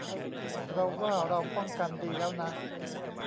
เราว่าเราป้องกันดีแล้วนะ